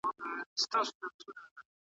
سیاستوال به د جګړې مخه ونیسي.